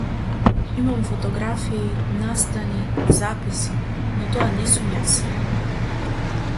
Имам фотографии, настани, записи, но тоа не сум јас.